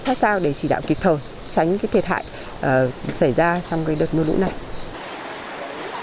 sát sao để chỉ đạo kịp thời tránh cái thiệt hại xảy ra trong cái đợt mưa lũ này